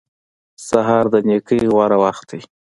سهار د نېکۍ غوره وخت دی.